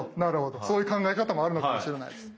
そういう考え方もあるのかもしれないです。